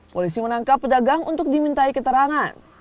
polisi menangkap pedagang untuk dimintai keterangan